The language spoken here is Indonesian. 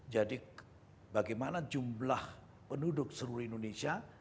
jadi bagaimana jumlah penduduk seluruh indonesia